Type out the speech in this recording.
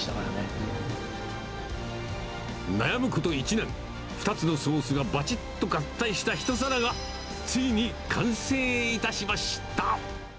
悩むこと１年、２つのソースがばちっと合体した一皿が、ついに完成いたしました。